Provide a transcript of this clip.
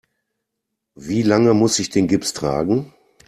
Wie lange muss ich den Gips tragen?